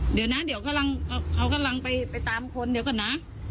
เดี๋ยวนะเดี๋ยวกำลังเขากำลังไปตามคนเดี๋ยวก่อนนะ